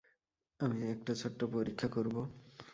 আমি একটা ছোট্ট পরীক্ষা করব।